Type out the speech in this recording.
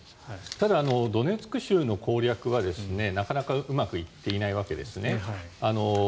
ただ、ドネツク州の攻略はなかなかうまくいっていないわけです。